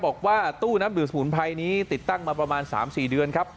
บอกว่าตู้น้ำดื่มสมุนไพรนี้ติดตั้งมาประมาณ๓๔เดือนครับ